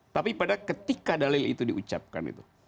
tapi pada ketika dalil itu diucapkan itu